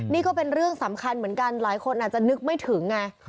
นี่ก็เป็นเรื่องสำคัญเหมือนกันหลายคนอาจจะนึกไม่ถึงไง